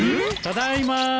ただいま。